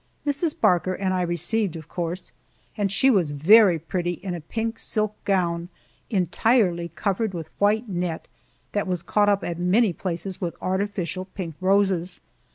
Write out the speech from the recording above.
Mrs. Barker and I received, of course, and she was very pretty in a pink silk gown entirely covered with white net, that was caught up at many places by artificial pink roses.